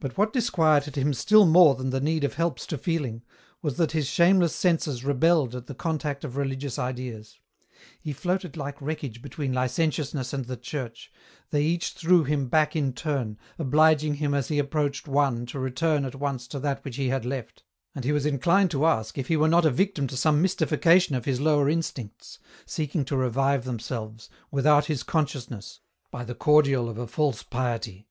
But what disquieted him still more than the need of helps to feeling, was that his shameless senses rebelled at the contact of religious ideas. He floated like wreckage between Licentiousness and the Church, they each threw him back in turn, obliging him as he approached one to return at once to that which he had left, and he was inclined to ask if EN ROUTE. 31 he were not a victim to some mystification of his lower instincts, seeking to revive themselves, without his con sciousness, by the cordial of a false piety.